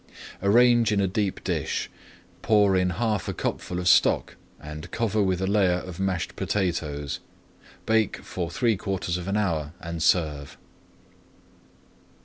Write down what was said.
Arrange in a deep dish, pour in half a cupful of stock, and cover with a layer of mashed potatoes. Bake for three quarters of an hour and serve.